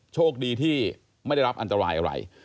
โชคดีที่ไม่ได้รับอันตรายอะไร